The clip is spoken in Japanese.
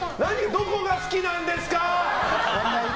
どこが好きなんですか？